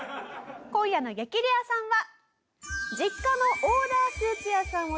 今夜の激レアさんは。